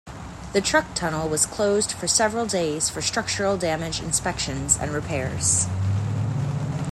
The truck tunnel was closed for several days for structural damage inspections and repairs.